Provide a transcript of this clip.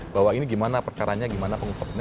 bahwa ini gimana perkaranya gimana pengungkapannya